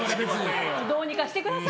どうにかしてください！